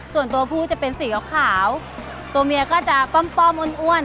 ส่วนตัวผู้จะเป็นสีขาวตัวเมียก็จะป้อมอ้วน